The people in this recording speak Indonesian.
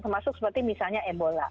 termasuk seperti misalnya ebola